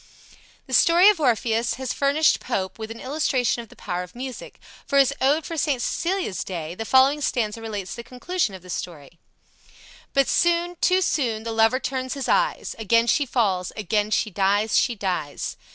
The story of Orpheus has furnished Pope with an illustration of the power of music, for his "Ode for St. Cecilia's Day" The following stanza relates the conclusion of the story: "But soon, too soon the lover turns his eyes; Again she falls, again she dies, she dies!